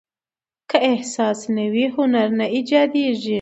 که احساس نه وي، هنر نه ایجاديږي.